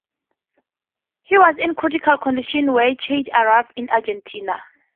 He was in critical condition when Chade arrived in Argentina.